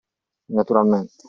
Naturalmente!